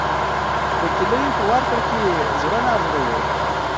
د کیلیو په ورکړه کې زړه نازړه و.